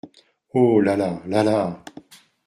Oh ! la-la ! la-la !